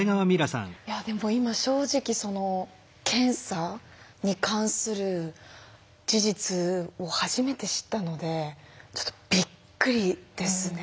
いやでも今正直検査に関する事実を初めて知ったのでちょっとびっくりですね。